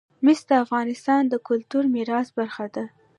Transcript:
مس د افغانستان د کلتوري میراث برخه ده.